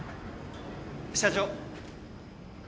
社長。